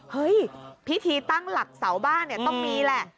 เฮ้ยพิธีตั้งหลักเสาบ้านเนี่ยต้องมีแหละ